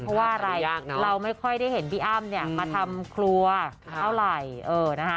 เพราะว่าอะไรเราไม่ค่อยได้เห็นพี่อ้ำเนี่ยมาทำครัวเท่าไหร่